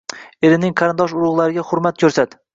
Eringning qarindosh-urug‘lariga hurmat ko‘rsat!